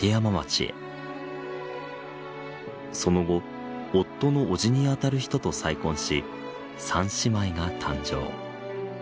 その後夫の叔父にあたる人と再婚し三姉妹が誕生。